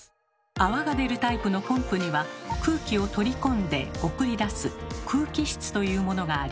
泡が出るタイプのポンプには空気を取り込んで送り出す「空気室」というものがあり。